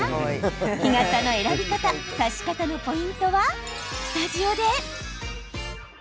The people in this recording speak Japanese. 日傘の選び方差し方のポイントはスタジオで。